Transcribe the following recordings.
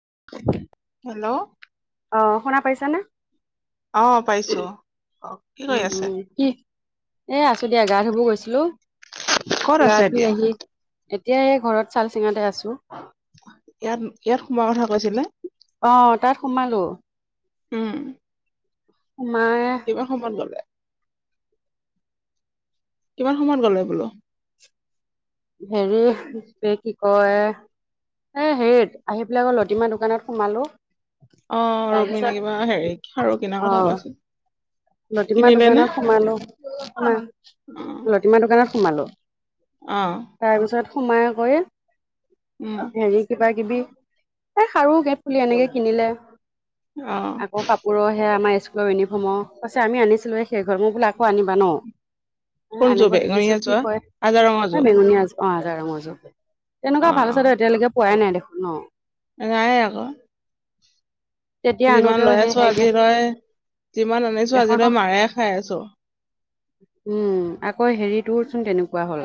[unintelligible] Hello? অ', শুনা পাইছানে? অঁ, পাইছো। কি কৰি উম, আছে উম, কি, এ আছো দিয়া, গা ধুব গৈছিলো। কত গা আছে ধুই এতিয়া? আহি এতিয়া এ ঘৰত, চাল চিঙাতে আছে। ইয়াত ইয়াত সোমোৱাৰ কথা কৈছিলে? অ তাত সোমালো উম। সোমাই কিমান সময় ললে? কিমান সময়ত গলে বোলো? হেৰি, কি কয় এ হেইত আহি পেলাই আক লতিমা দোকানত সোমালো। অ', ৰবিনে তাৰপিছত কিবা হেৰি খাৰু কিনাৰ কথা কৈছিল। লতিমা কিনিলে নে দোকানত সোমালো, অ লতিমা দোকানত সোমালো। অ তাৰপিছত সোমাই কৰি উম হেৰি কিবা কিবি এ খাৰু [unintelligible] এনেকে কিনিলে। অ আকৌ কাপোৰৰ সে আমাৰ স্কুলৰ ইউনিফৰ্মৰ, পাছে আমি আনিছিলো এই শেষ হল, মই বোল আকৌ আনিবা ন? এ কোনযোৰ আনিব দি বেঙুনীয়া দিছো, কি যোৱা কয়, আজা ৰঙৰ যোৰ এই বেঙুনীয়া আজোৰ। [unintelligible] অ তেনেকুৱা ভাল অ আছে ত এতিয়ালৈকে পোৱাই নাই দেখোন ন? নাই আকৌ। তেতিয়া যিমান আনোতেও লৈ সেই আছো আজিলৈ যিমান আনিছো এখন, আজিলৈ মাৰে খাই আছো উম, আকৌ হেৰিতোৰ চোন তেনেকুৱা। হ'ল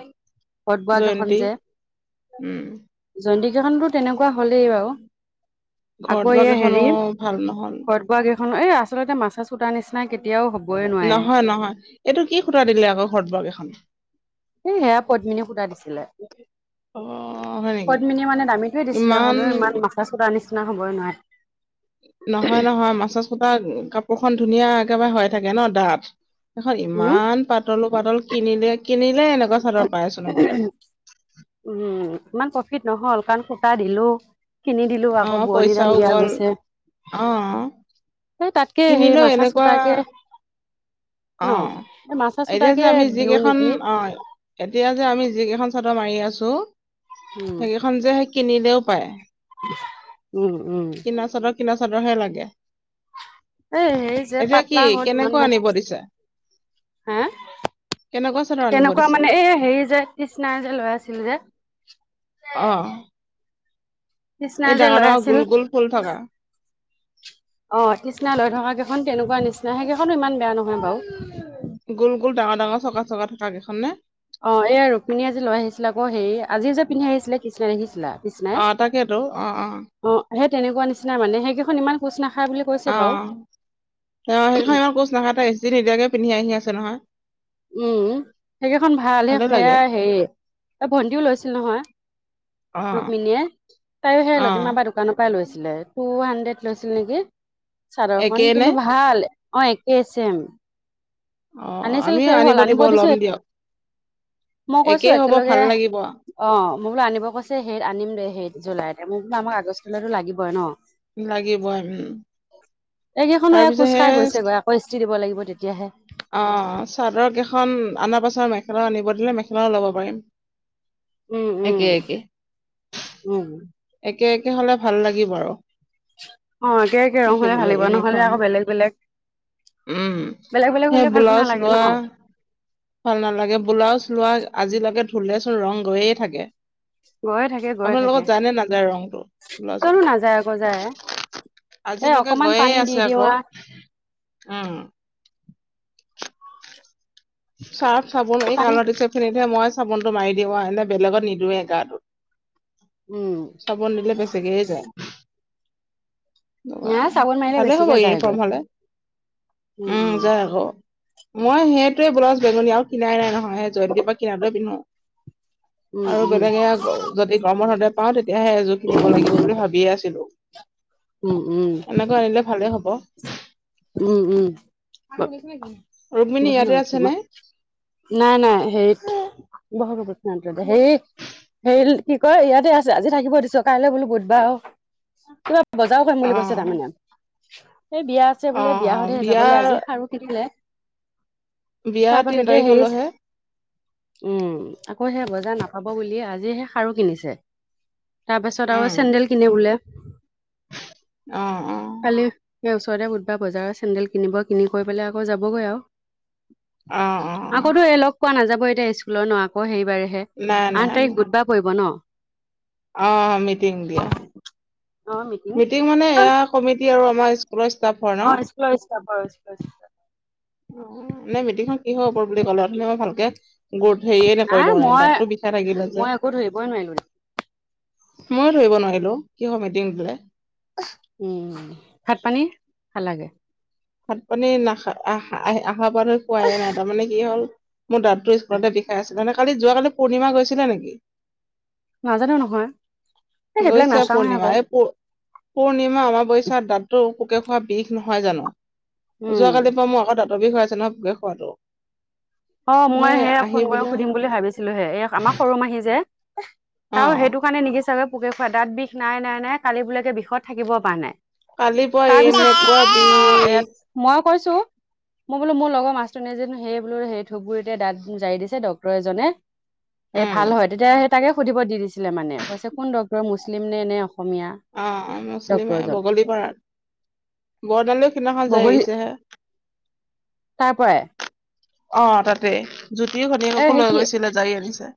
সদ বাগ এখন জয়ন্তী যে, উম জৈন্তিক ো তেনেকুৱা হলেই বাৰু, ঘৰত আকৌ বোৱা এ কেইখনো হেৰি, ভাল নহল ঘৰত বোৱা এই আচলতে মাছা চ কুটাৰ নিচিননা কেতিয়াও হ'ব নহয় নহয় এইটো কি খুটা দিলে আকৌ ঘটবগ এইখন? হে সেয়া পদ্মিনীয়ে সূতা দিছিলে। অ হয় নেকি পদ্মিনী মানে দামীটোৱে দিছিলে হলেও ইমান মাথা চথা নিচিনা হবই নোৱাৰে। নহয় নহয়, মাছাচুটা কাপোৰখন ধুনীয়া একেবাৰে হৈ থাকে ন ডাঠ। এখন উম ইমান পাতলো পাতল কিনিলে কিনিলে এনেকুৱা চাদৰ পাই আছোন আজিকালি উম ইমান প্ৰফিট নহল। কান সুতা দিলো কিনি দিলো অ আকৌ বোৱাৰনীৰ পইচাও দাম দিয়া গ'ল গৈছে। অ এই তাতকে সেই কিনিলেও মাছা এনেকুৱা চুটাকে ন! অ এই এতিয়া যে মাছাছোটাকে আমি দিওঁ যিকেইখন নেকি। অ এতিয়া যে আমি যি কেইখন চাদৰ মাৰি আছো উম সেইকেইখন যে সেই কিনিলেও পায়। উম উম লা চাদৰহে লাগে। এ হেই যে এতিয়া কি পাতলা হ'ল ইমান কেনেকুৱা মান আনিব দিছে হা কেনেকুৱা চাদৰ আনিব তেনেকুৱা দিছে মানে এই হেৰি যে কৃষ্ণাই যে লৈ আছিলো যে। অ' এই কৃষ্ণাই যে ডাঙৰ লৈ ডাঙৰ আছিল গোল গোল ফুল থকা অ' কৃষ্ণাই লৈ থকা কেইখন তেনেকুৱা নিচিনা সেইকেইখনো ইমান বেয়া নহয় বাৰু। গোল গোল ডাঙৰ ডাঙৰ চকা চকা থকা কেইখন নে। অ' এইয়া ৰুক্মিনীয়ে আজি লৈ আহিছিলে আকৌ হে আজিও যে পিন্ধি আহিছিলে কৃষ্ণাই দেখিছিলা। কৃষ্ণাই আহ তাকেইেতো অ' অ' তেনেকুৱা নিচিনা মানে সেই কইখন ইমান কোচা না অ' সেই কেইখন ইমান কোচ নাখায়, তাই ইষ্ট্ৰি নিদিয়াকে পিন্ধি আহি আছে নহয়। উম সেইকেইখন ভাল, ভালে লাগে সেয়া হেৰি ভণ্টিও লৈছিল নহয়। অ ৰুক্মিনীয়ে, তাইয়ো সেই অ লতিমাবাৰ দোকানৰ পৰা লৈছিল। লে টু হাণ্ড্ৰেড লৈছিল নেকি, চাদৰ খন একেই নে কিন্তু ভাল। অ' একেই ছেম। অ' আনিছিল আমিও শেষ হ'ল আনিব দিব, দিছো লম দিয়ক। মই কৈছো একেই হ'ব একেলগে ভাল লাগিব অ মোক বোলো আনিব কৈছে সেইত আনিম দে সেইত জুলাইত। মোকটো আমাক আগষ্টলৈটো লাগিবই ন। লাগিবই উম এইকেইখনো তাৰপিছত কোজ সেই খাই গৈছেগৈ আকৌ ই দিব লাগিব তেতিয়াহে। অ চাদৰ কেইখন অনাৰ পাছত মেখেলাও আনিব দিলো, মেখেলাও ল'ব পাৰিম। উম একে উম একে উম একে একে হ'লে ভাল লাগিব আৰু। অ' একে একে ৰং হলে ভাল দেখিবলৈ লাগিব, নহলে ইউনিফৰ্ম আকৌ বেলেগ বেলেগ উম বেলেগ বেলেগ সেই হলে ভালো ব্লাউজ নালাগে ন লোৱা ভাল নালাগে ব্লাউজ লোৱা আজিলৈকে ঢুলেচোন ৰং গৈয়ে থাকে। গৈয়ে থাকে গৈয়ে থাকে আপোনালোকৰ যায় নে নাযায় ৰংটো ব্লাউজৰ। কতো নাযায় আকৌ যায় এ আজিলৈকে অকমান গৈয়ে পানী দি আছে দিওঁ আকৌ, আ উম [unintelligible] ৰ্চাফ চাবোন এই পানী কালাৰতো চোন মই চাবোনটো মাৰি দিওঁ, এনে বেলেগত নিদওঁৱে উম গাটোত চাবোন দিলে বেচিকেইয়ে যায়। নাই চাবোন মাৰিলে ভালে হ'ব বেছিকে যায়গৈ ইউনিফৰ্ম হলে। উম যাই আকৌ। মই সেইটোৱে ব্লাউজ বেঙুনীয়া আৰু কিনাই নাই নহয় জয়ন্তীৰ পৰা কিনাটোহে পিন্ধো। উম আৰু উম বেলেগে যদি গৰমৰ হতে পাওঁ তেতিয়াহে এযোৰ কিনিব লাগিব বুলি ভাবিয়ে আছিলো। উম উম এনেকৈ আনিলে ভালে হব। উম উম ৰুক্মিণী বহি ইয়াতে লওঁ আছে নে? অকমান নাই নাই সেইত বহ [unintelligible] হেই হেৰি কি কয় ইয়াতে আছে আজি থাকিব দিছে, কাইলৈ বোলো বুধবাৰ কিবা বজাৰও কৰিম অ বুলি কৈছে তাৰমানে এই বিয়া আছে অ বোলে বিয়া অ হতেহে যাবলৈ আজি [inaudible] কিনিলে বিয়া তাৰ পাছ তিন এতি আহেই তাৰিখলৈহে উম আকৌ সেই বজাৰ নাপাব বুলিয়ে আজিহে সাৰু কিনিছে। তাৰপাছত আৰু উম চেডেল কিনিবলে। অ অ কালি [inaudible] বা বজাৰত চেন্দেল কিনিব কিনি কৰি পেলাই আকৌ যাবগৈ আৰু। অ' অ' আকৌতো এই লগ অ' পোৱা নাযাব এতিয়া স্কুলৰ ন, আকৌ হেৰিবাৰেহে নাই আঠ নাই তাৰিখ নাই বুধবাৰ পৰিব ন। অ মিটিং দিয়া মিটিং মানে এয়া কমিটি আৰু আমাৰ স্কুল অ' [inaudible] নে মিটিংখন কি হৈ ওপৰত বুলি ক'লেে মই ভালকে গ হেৰি নকৰিলো মানে মই তাতটো। খ লাগিল [inaudible] মই একো নাই। মই ধৰিব নোৱাৰিলো কিহৰ মিটং দিলে। উম ভাত পানী ভাল লাগে। ভাত পানী [unintelligible] খোৱাই নাই তাৰমানে কি হ'ল মোৰ দাদটো স্কুলতে বিখাই আছিল মানে কালি যোৱালি পূৰ্ণি গৈছিলে নেকি। নাজানো নহয় এই সেইবিলাক গৈছে নাচাওৱে আকৌ পূৰ্ণিমা এই [inaudible] পূৰ্ণিমা [unintelligible] দাঁততো খোৱা বিষ নহয় জানো উম যোৱাকালি পৰা মোৰ আকৌ দতৰ বিষয় হৈ আছে খোৱাটো অ মই সেই সে আহি ফোন কৰি পেলাই সুধিম বুলি ভাবিছিলোহে এই আমাৰ সৰু মাহী যে ত অ' সেইটো কাৰণে নিকি চাগে পোকে খুৱাই দাঁত বিষ নাই নাই নাই কালি বোলেকে বিষত থাকিব পৰা নাই কালিৰ পৰা এনেকুৱা তাৰপিছত বিষ মই কৈছো মই বোলো মোৰ লগৰ [unintelligible] নে যে সেই বোলো [unintelligible] দাঁত জাৰি দিছে ডক্তৰ এজনে এই উম, ভাল হয় তেতিয়া তাকে সুধিব দি দিছিলে মানে কৈছে কোন ডক্টৰ মুছলিম নে [inaudible] অ মুছলিমে ডক্তৰজন বগলী পাৰাত [unintelligible] খিদিনাখন যাই বগলী আহিছেহে তাৰ পৰাই অ' তাতেই জুতিও এ ঘনিকো সেই লৈ কি গৈছিলে জাৰি আনিছে।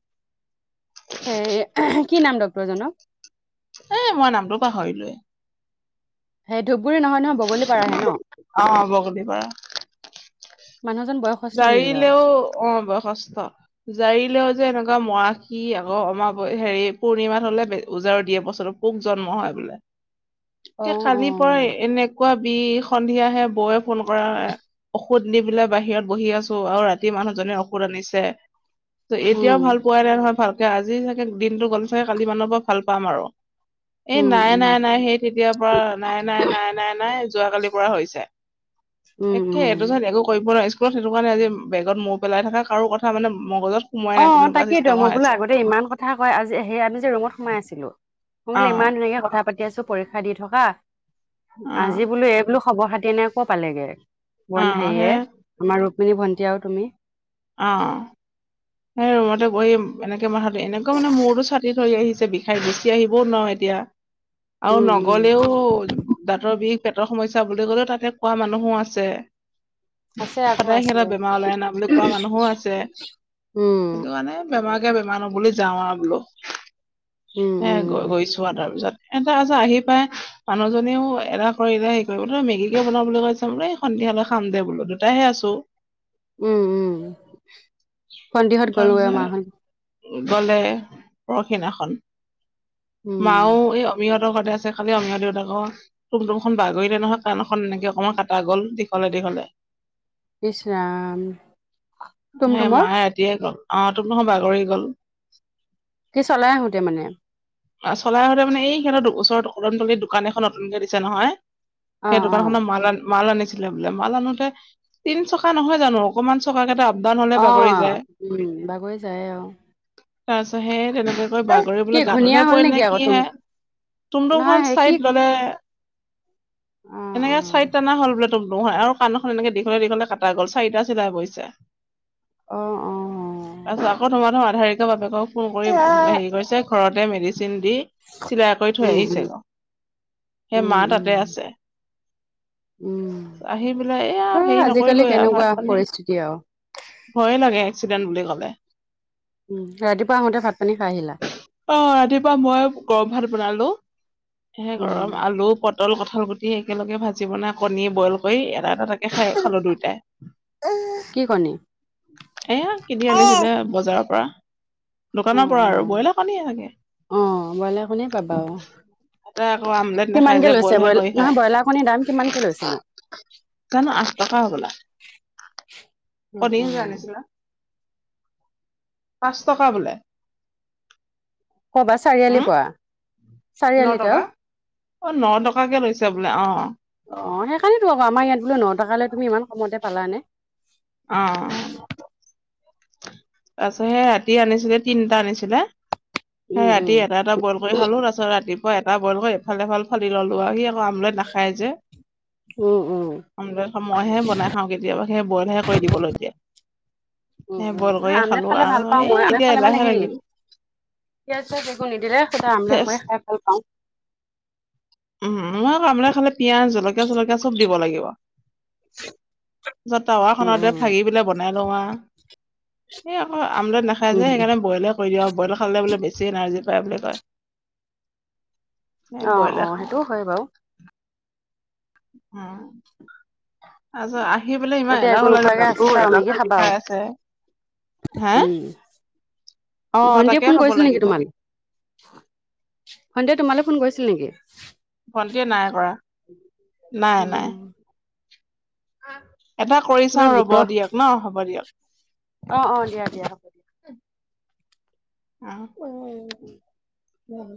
সেই কি নাম ডক্টৰজনৰ। এ মই নামটো পাহৰিলোৱে। সেই নহয় নহয় বগলী পাৰাহে ন। অ' বগলীপাৰা। মানুহজন বয়সস্থ নেকি বাৰু জাৰিলেও অ বয়সস্থ জাৰিলেও যে এনেকুৱা মৰাষি আকৌমাৰ হেৰি পূৰ্ণিমা হলে ওজাৰো দিয়ে বছৰ পোক জন্ম হয় বোলে অ অ কালি পৰা এনেকুৱা বি সন্ধিয়াাহে বৌয়ে ফোন কৰা হয় ঔষধ নি পেলাই বাহিৰত বহি আছো আৰু ৰাতি মানুহ জীৰ ঔষুধ আনিছে ত এতিয়াও উম ভাল পোৱা নাই নহয় ভাল তাকে আজি চাগে দিনটো গ'ল চাগে কালি মানুৰ পৰা ভাল পাম আৰু এই উম নাই উম নাই নাই সেই তেতিয়াৰ পৰা নাই নাই নাই নাই নাই যোৱাকালিৰ পৰা হৈছে উম একে উম সটো জান একো কৰিব নোৱাৰি স্ুলত সেইটো কাৰণে আজি বেগত মৌ পেলাই থাক কাৰো কথা মানে মগজত সোমোৱাই অ, নাই তেনেকুৱা তাকেইেতো চিষ্টেম মই হৈ বোলো আছে আগতে ইমান কথা কয় আজি সেই আমি যে ৰুমত সোমাই আছিলো মই অ বোলে ইমান ধুনাকে কথা পাতি আছো পৰীক্ষা দি থকা অ আজি বোলো এই বোলো খবৰ খাতি ন এক' পালেগে অ বন হে হেৰিয়ে আমাৰ ৰুক্মিণী ভণ্টি আৰু তুমি অ, সেই ৰুমতে বহি এনেকে মাথাটো এনেকা মানে মূোৰতটো ছাতি থৰি আহিছে বিষাই গেচি আহিবও নয় এতিয়া আৰু উম উম নগলেও দাঁতৰ বিষ পেটৰ সমস্যা বুলি গ'লেও তাতে কোৱা মানুহো আছে। আছে আকৌ সদায় আছে সিহঁতৰ বেমাৰ ওলাই ন বুলি কোৱা মানুহো আছে। উম সেইটো মানে বেমাৰকে বেমাৰ নো বুলি যাওঁ আৰু বোলো। উম হে উম গ গৈছো আৰু তাৰ পিছত এটা আছে আহি পাই মানুহজনীও এলাহ কৰিলে হেৰি কৰিব তই মেগী কে বনা বুলি কৈছে ঐ সন্ধিয়া তেতিয়াহলে খাম দে বোলো দুটাহে আছোঁ। উম, উম, ভণ্টিহত গ'লোয়ে তাৰপিছত মাহত গলে পৰখিনাখন উম মাও এই অমিয়তৰ কথা আছে খালি অীয়া দেউতাক তুম তুম খ বাগৰি দলে নহয় কাণ এখন এনেকে অকণমান কাটা গ'ল দীঘলে দীঘলে বিচৰাাম তুম তুমাৰ ল আহ, তোক নহয় বাগৰি গল। সেই চলাই আহোতে মানে চলাই হতে মানে এই সিহঁতৰ ওচৰ কদম তলিত দোকান এখন নতুনকে দিছে নহয়। অ সেই দোকান খনৰ অ মাল মাল আনিছে ছিলে বোলে মাল আনোতে তিন চকা নহয় জানো অকমান চকা কেইটা আপ ডাউন হলে অ বাগৰি যায়। উম, বাগৰি যায়ে আৰু। তাৰ পিছত হে তেনেকেকৈ বাগৰি বোলে ঘূণীয়া গাঁততহে হ'ল পৰিল নে নেকি আকৌ কি তুম হে নাই তুমতুমখন সেই কি চাইড ললে অ এনেকে চাইড টানা হ'ল বোলে তুমতুম খন আৰু কাণ এখন এনেকে দীঘলে দীঘলে কটা গ'ল চাৰিটা চিলাই পৰিছে। অ', অ', তাৰপিছত আকৌ তোমাৰ ধৰ আধাৰিক বাপেকক ফোন কৰি উ হেৰি কৰিছে ঘৰতে মেডিচিন মেডিচিন দি চিলাই কৰি থৈ উম উম আহিছে গ সে উম মা তাতে উম আছে। উম আহি পেলাই এইয়া এ হেৰি আজিকালি নকৰিলোয়ে আৰু কেনেকুৱা ভাত পানে পৰিস্থিতি আৰু ভয়ে লাগে এক্সিডেণ্ট বুলি কলে উম, ৰাতিপুৱা আহোতে ভাত পানী খাই আহিলা? অ', ৰাতিপুৱা ময়েই গৰম ভাত বনালো। সে উম, গৰম আলু পটল কঁঠাল গুটি একেলগে ভাজি বনাই কণী বইল কৰি এটা এটা [unintelligible] খালু দুয়োটাই। কি কণী? এয়া কিনি অ', আনিছিলে বজাৰৰ পৰা দোকানৰ পৰা আৰু অ', ব্ৰইলাৰ কণীয়ে চাগে অ', ব্ৰইলাৰ কণীয়ে পাবা অ', ততে আকৌ আমলেট নাখায় কিমানকে যে লৈছে বইলহে ব্ৰইলাৰ কৰি নহয় ব্ৰইলাৰ কণীৰ দাম কিমানকে খায় লৈছেনো? জানো আঠ টকা হবলা উম, কণী যে উম, আনিছিলা পাঁচ টকা বোলে। কবা হম চাৰিআলি পৰা ন চাৰিআলিত টকা? অ', ন টকাকে লৈছে বোলে অ', অ', সেইকাৰণেইতো আকৌ আমাৰ ইয়াত বোলে নটকালৈ তুমি ইমান কমতে পালানে? অ', তাৰপিছত সেই ৰাতি আনিছিলে তিনিটা আনিছিলে। সে উম, ৰাতি উম, এটা এটা বইল কৰি খালো তাৰপিছত ৰাতিপুৱা এটা বইল কৰি এফাল এফাল ফালি ললো আৰু সি আমলেট নাখায় যে উম, উম, আমলেট মইহে বনাই খাওঁ কেতিয়াবা। বইল হে কৰি দিবলৈ দিয়ে উম, সেই উম, বইল কৰি নহয় আমলেট খালে ভাল পাওঁ মই আনে ফালে মানে হেৰি পিয়াজ চিয়াজ একো নিদিলে শুধা আমলেট চেচ কৰি খাই ভাল পাওঁ। উম, মই আকৌ আমলেট খালে পিয়াজ জলকীয়া চলকীয়া চব দিব লাগিব। জ তাৱা উম, খনতে উম, ভাগি পেলাই বনাই লওঁ আও এই আকৌ আমলেট নাখাই যে উম, সেইকাৰনে বইলে কৰি দিয়োঁ আৰু বইল খালে বোলে বেছি বেছি এনৰ্জি পায় বুলি কয়। অ', অ', সেইটো হয় বাৰু। হুম, [unintelligible] আহি পেলে ইমান এতিয়া এলাহ একো ও লাগিল নোখোৱাকে দাঁতটো আছা আৰু এটা মেগী ছাইড খাবা আৰু। বিষাই আছে, হে অ ভন্টিয়ে তাকে ফোন খাব কৰিছিল নেকি লাগিব তোমালৈ ভন্টিয়ে তোমালৈ ফোন কৰিছিল? ছিল নেকি ভণ্টিয়ে নাই কৰা নাই নাই। উম, এটা কৰি কিবা চাও ৰব গোটৰ দিয়ক ন হ'ব দিয়ক। অ', অ' দিয়া হ'ব দিয়া। অ উম, উম,